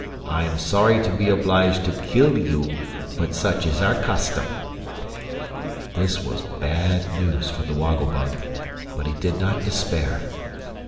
I am sorry to be obliged to kill you, but such is our custom." This was bad news for the Woggle Bug; but he did not despair.